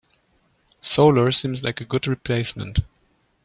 Solar seems like a good replacement.